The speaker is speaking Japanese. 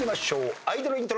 アイドルイントロ。